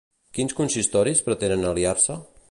Quins consistoris pretenen aliar-se?